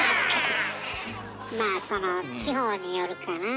まあその地方によるかなあ。